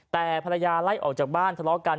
แต่ภรรยาไล่ออกจากบ้านทะเลาะกัน